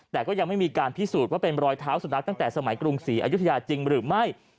แต่ก็ยังไม่มีการพิสูจน์ว่าเป็นรอยเท้าสุนัขตั้งแต่สมัยกรุงศรีอายุทยาจริงหรือไม่